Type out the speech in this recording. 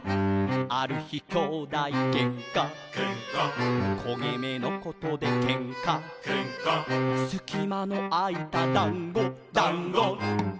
「ある日兄弟げんか」「けんか」「こげ目のことでけんか」「けんか」「すきまのあいただんご」「だんご」